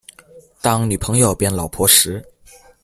當女朋友變老婆時